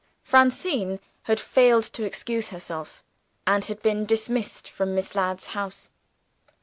Francine had failed to excuse herself, and had been dismissed from Miss Ladd's house.